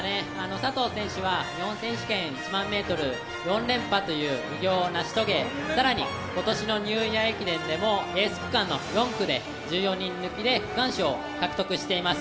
佐藤選手は日本選手権１００００ｍ、４連覇という偉業を成し遂げ、更に今年のニューイヤー駅伝でもエース区間の４区で１４人抜きの区間賞を獲得しております。